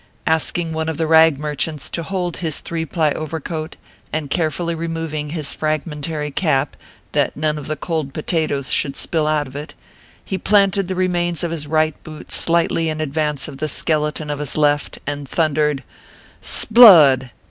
Asking one of the rag merchants to hold his three ply overcoat, and carefully removing his fragmentary cap, that none of the cold potatoes ORPHEUS C. KERR PAPERS. 265 should spill out of it, he planted the remains of his right boot slightly in advance of the skeleton of his left, and thundered :" Sblood